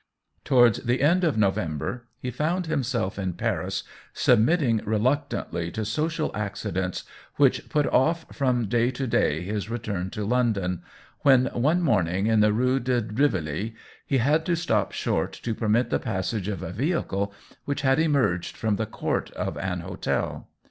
Tow ards the end of November he found him self in Paris, submitting reluctantly to social accidents which put off from day to day his THE WHEEL OF TIME 91 return to London, when, one morning in the Rue de Rivoli, he had to stop short to per mit the passage of a vehicle which had emerged from the court of an hotel.